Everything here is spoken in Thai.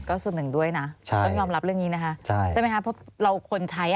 ก็ส่วนหนึ่งด้วยนะต้องยอมรับเรื่องนี้นะคะใช่ไหมคะเพราะเราคนใช้